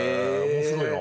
面白いな。